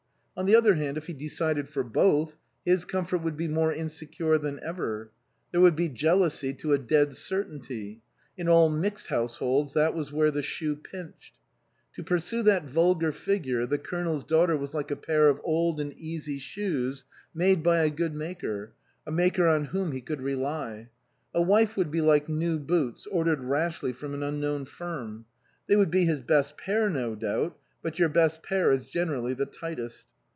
On the other hand, if he decided for both, his comfort would be more insecure than ever. There would be jealousy to a dead certainty ; in all mixed households that was where the shoe pinched. To pursue that vulgar figure, the Colonel's daughter was like a pair of old and easy shoes made by a good maker, a maker on whom he could rely ; a wife would be like new boots ordered rashly from an unknown firm. They would be his best pair, no doubt, but your best pair is generally the tightest.